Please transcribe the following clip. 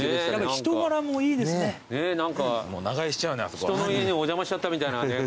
人の家にお邪魔しちゃったみたいな感じの。